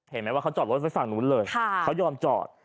เห็นไหมว่าเขาจอดรถไว้ฝั่งนู้นเลยเขายอมจอด